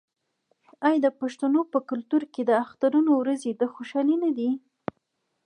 آیا د پښتنو په کلتور کې د اخترونو ورځې د خوشحالۍ نه دي؟